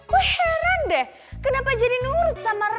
kok heran deh kenapa jadi nurut sama reva